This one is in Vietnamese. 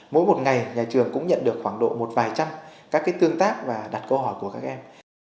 mỗi một ngày nhà trường cũng nhận được khoảng độ một vài trăm các tương tác và đặt câu hỏi của các em